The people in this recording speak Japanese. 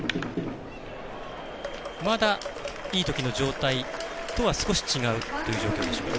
まだいいときの状態とは少し違うという状況でしょうか？